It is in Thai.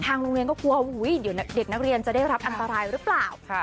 โรงเรียนก็กลัวเดี๋ยวเด็กนักเรียนจะได้รับอันตรายหรือเปล่า